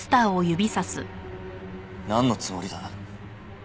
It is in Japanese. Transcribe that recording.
なんのつもりだ？